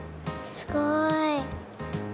すごい。